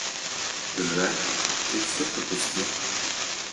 Жаль, ты всё пропустил.